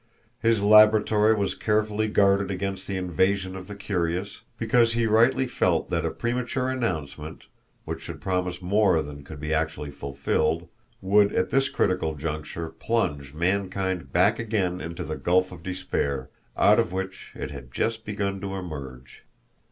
His laboratory was carefully guarded against the invasion of the curious, because he rightly felt that a premature announcement, which should promise more than could be actually fulfilled, would, at this critical juncture, plunge mankind back again into the gulf of despair, out of which it had just begun to emerge.